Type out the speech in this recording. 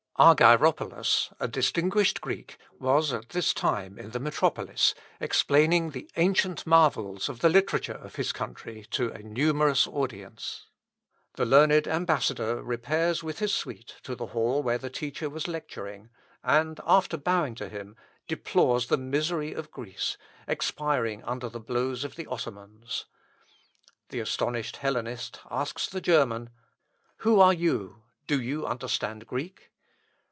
Argyropolos, a distinguished Greek, was at this time in the metropolis explaining the ancient marvels of the literature of his country to a numerous audience. The learned ambassador repairs with his suite to the hall where the teacher was lecturing, and, after bowing to him, deplores the misery of Greece, expiring under the blows of the Ottomans. The astonished Hellenist asks the German, "Who are you? Do you understand Greek?"